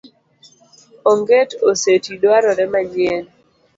Onget oseti dwarore manyien.